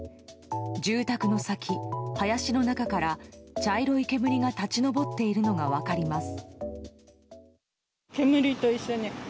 住宅の先、林の中から茶色い煙が立ち上っているのが分かります。